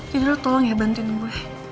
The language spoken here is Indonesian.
jadi lo tolong ya bantuin gue